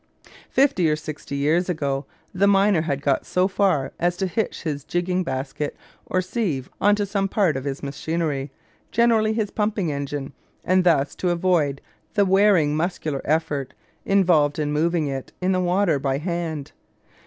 Fifty or sixty years ago the miner had got so far as to hitch his jigging basket or sieve on to some part of his machinery, generally his pumping engine, and thus to avoid the wearing muscular effort involved in moving it in the water by hand.